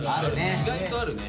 意外とあるね。